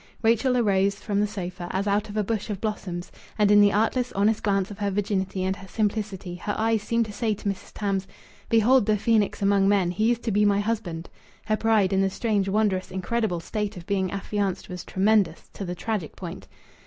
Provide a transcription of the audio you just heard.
Rachel arose from the sofa as out of a bush of blossoms. And in the artless, honest glance of her virginity and her simplicity, her eyes seemed to say to Mrs. Tams: "Behold the phoenix among men! He is to be my husband." Her pride in the strange, wondrous, incredible state of being affianced was tremendous, to the tragic point.